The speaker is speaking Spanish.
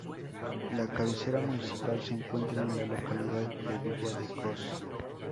La cabecera municipal se encuentra en la localidad de Villa de Cos.